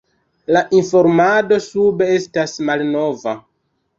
La informado sube estas malnova.